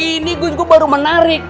ini gue baru menarik